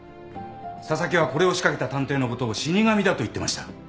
紗崎はこれを仕掛けた探偵のことを死神だと言ってました。